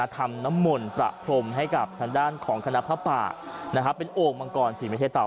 ทำน้ำมนต์ประพรมให้กับทางด้านของคณะพระป่าเป็นโอ่งมังกรสิไม่ใช่เต่า